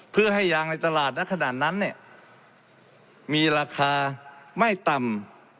เพื่อให้ยางในตลาดดับขนาดนั้นมีราคาไม่ต่ำ